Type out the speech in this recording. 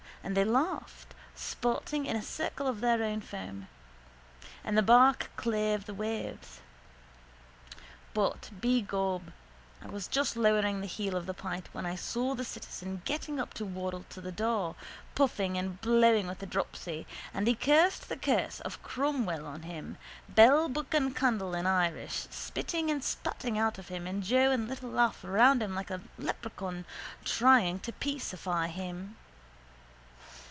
And they laughed, sporting in a circle of their foam: and the bark clave the waves. But begob I was just lowering the heel of the pint when I saw the citizen getting up to waddle to the door, puffing and blowing with the dropsy, and he cursing the curse of Cromwell on him, bell, book and candle in Irish, spitting and spatting out of him and Joe and little Alf round him like a leprechaun trying to peacify him.